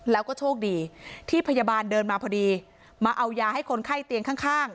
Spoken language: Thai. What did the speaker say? แล้วก็โชคดีที่พยาบาลเดินมาพอดีมาเอายาให้คนไข้เตียงข้าง